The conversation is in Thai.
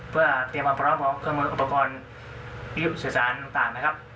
เพื่อเตรียมความพร้อมของเครื่องมืออุปกรณ์วิทยุสื่อสารต่างนะครับ